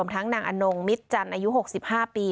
ทั้งนางอนงมิตจันทร์อายุ๖๕ปี